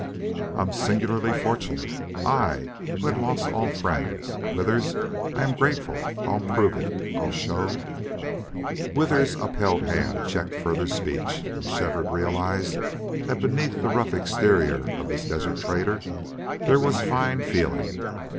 "I'm singularly fortunate I who had lost all friends. Withers, I am grateful. I'll prove it. I'll show " Withers's upheld hand checked further speech, and Shefford realized that beneath the rough exterior of this desert trader there was fine feeling.